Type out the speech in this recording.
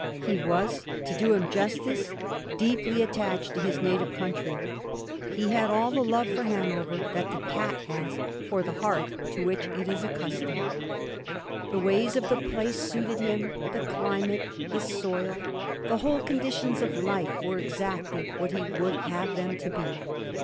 He was, to do him justice, deeply attached to his native country. He had all the love for Hanover that the cat has for the hearth to which it is accus tomed. The ways of the place suited him ; the climate, the soil, the whole conditions of life were exactly what he would have them to be.